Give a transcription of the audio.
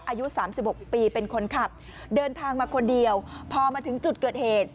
อายุ๓๖ปีเป็นคนขับเดินทางมาคนเดียวพอมาถึงจุดเกิดเหตุ